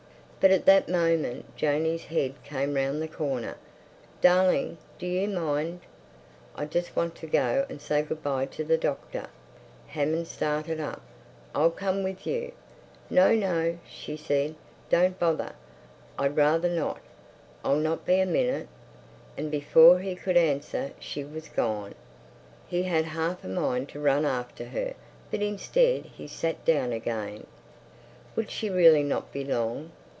But at that moment Janey's head came round the corner. "Darling—do you mind? I just want to go and say good bye to the doctor." Hammond started up. "I'll come with you." "No, no!" she said. "Don't bother. I'd rather not. I'll not be a minute." And before he could answer she was gone. He had half a mind to run after her; but instead he sat down again. Would she really not be long?